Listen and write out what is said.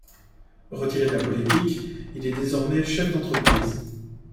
Retiré de la politique, il est désormais chef d'entreprise.